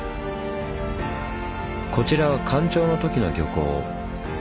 こちらは干潮のときの漁港。